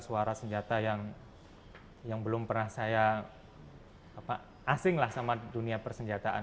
suara senjata yang belum pernah saya asing lah sama dunia persenjataan